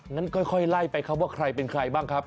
งั้นค่อยไล่ไปใครเป็นใครบ้างครับ